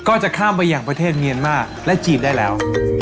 ก็จะข้ามไปอย่างประเทศเมียนมาร์และจีนได้แล้ว